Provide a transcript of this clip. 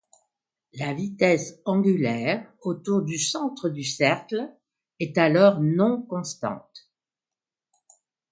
La vitesse angulaire autour du centre du cercle est alors non constante.